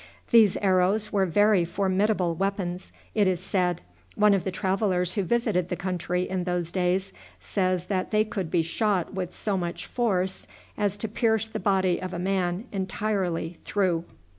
These arrows were very formidable weapons, it is said. One of the travelers who visited the country in those days says that they could be shot with so much force as to pierce the body of a man entirely through.